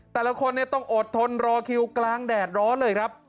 แต่ละคนต้องอดทนรอคิวกลางแดดร้อนเลยครับ